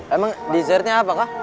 emang dessertnya apa kak